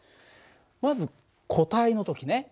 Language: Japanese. まず固体の時ね。